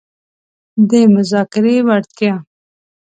-د مذاکرې وړتیا